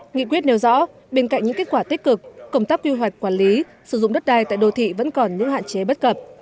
nghị quyết nêu rõ bên cạnh những kết quả tích cực công tác quy hoạch quản lý sử dụng đất đai tại đô thị vẫn còn những hạn chế bất cập